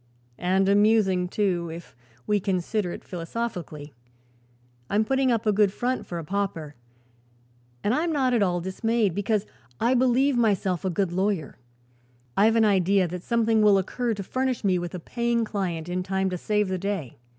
And amusing, too, if we consider it philosophically. I'm putting up a good front, for a pauper, and I'm not at all dismayed, because I believe myself a good lawyer. I've an idea that something will occur to furnish me with a paying client in time to save the day.